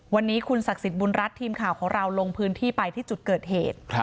วันนี้คุณศักดิ์สิทธิ์บุญรัฐทีมข่าวของเราลงพื้นที่ไปที่จุดเกิดเหตุ